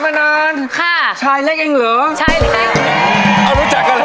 สวัสดีครับ